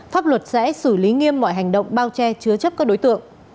pháp luật sẽ xử lý nghiêm mọi hành động bao che chứa chấp các đối tượng